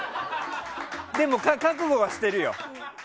でも、覚悟はしてるよ。